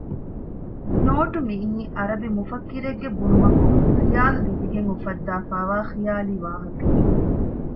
ނޯޓު މިއީ އަރަބި މުފައްކިރެއްގެ ބުނުމަކުން ޚިޔާލު ލިބިގެން އުފައްދައިފައިވާ ޚިޔާލީ ވާހަކައެއް